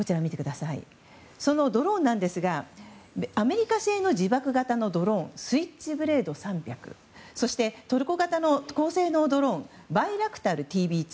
そのドローンですがアメリカ製の自爆型のドローンスイッチブレード３００そしてトルコ型の高性能ドローンバイラクタルＴＢ２。